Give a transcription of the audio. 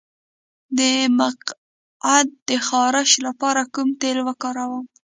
د مقعد د خارش لپاره کوم تېل وکاروم؟